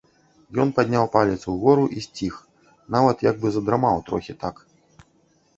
Ён падняў палец угору і сціх, нават як бы задрамаў трохі так.